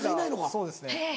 そうですね。